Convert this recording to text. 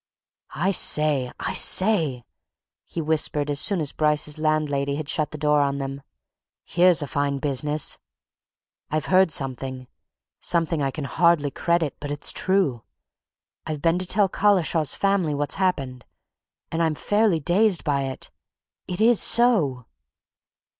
"I say, I say!" he whispered as soon as Bryce's landlady had shut the door on them. "Here's a fine business! I've heard something something I can hardly credit but it's true. I've been to tell Collishaw's family what's happened. And I'm fairly dazed by it yet it's there it is so!"